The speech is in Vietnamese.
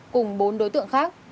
cùng bốn đối tượng khác